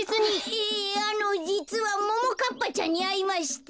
ええあのじつはももかっぱちゃんにあいまして。